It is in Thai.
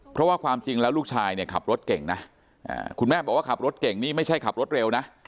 เพราะว่าความจริงแล้วลูกชายเนี่ยขับรถเก่งนะคุณแม่บอกว่าขับรถเก่งนี่ไม่ใช่ขับรถเร็วนะ